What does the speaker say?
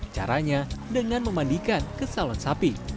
caranya dengan memandikan ke salon sapi